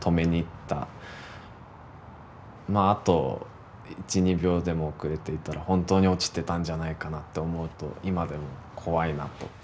あと１２秒でも遅れていたら本当に落ちてたんじゃないかなって思うと今でもこわいなと。